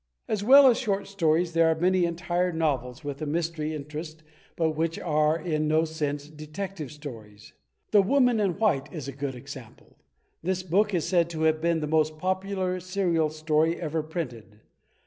As well as short stories, there are many entire novels with a mystery interest but which are in no sense Detective Stories. "The Woman In White" is a good example. This book is 40 THE TECHNIQUE OF THE MYSTERY STORY said to have been the most popular serial story ever printed.